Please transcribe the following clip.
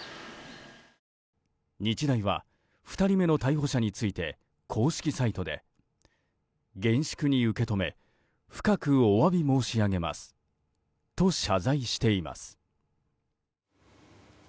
日大は２人目の逮捕者について公式サイトで厳粛に受け止め深くお詫び申し上げますと謝罪しています。